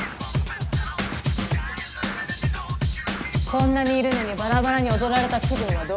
こんなにいるのにばらばらに踊られた気分はどう？